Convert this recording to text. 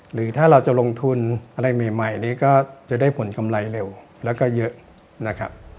หรือถ้าเราจะลงทุนอะไรใหม่นี้ก็จะได้ผลกำไรเร็วแล้วก็เยอะนะครับ